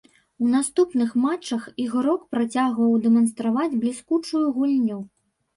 У наступных матчах ігрок працягваў дэманстраваць бліскучую гульню.